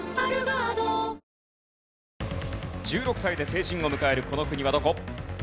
１６歳で成人を迎えるこの国はどこ？